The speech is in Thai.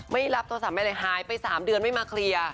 ไม่รับโทรศัพท์อะไรหายไป๓เดือนไม่มาเคลียร์